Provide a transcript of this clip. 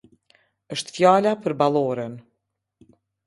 Është fjala për balloren.